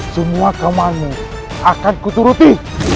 semua kamu akan kuturuti